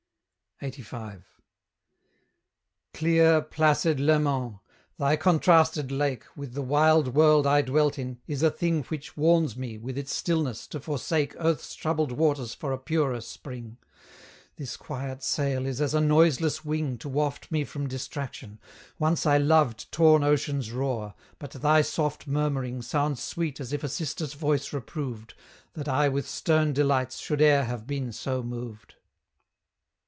LXXXV. Clear, placid Leman! thy contrasted lake, With the wild world I dwelt in, is a thing Which warns me, with its stillness, to forsake Earth's troubled waters for a purer spring. This quiet sail is as a noiseless wing To waft me from distraction; once I loved Torn ocean's roar, but thy soft murmuring Sounds sweet as if a sister's voice reproved, That I with stern delights should e'er have been so moved.